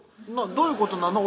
どういうことなの？